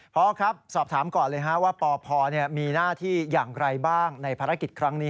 พอครับสอบถามก่อนเลยว่าปพมีหน้าที่อย่างไรบ้างในภารกิจครั้งนี้